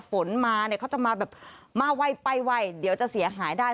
ฝนมาเนี่ยเขาจะมาแบบมาไวไปไวเดี๋ยวจะเสียหายได้